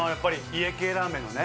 家系ラーメンのね。